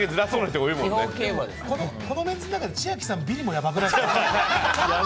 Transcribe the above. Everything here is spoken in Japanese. この面子の中で、千秋さんがビリもやばくないですか。